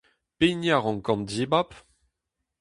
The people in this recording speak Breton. Pehini a rankan dibab ?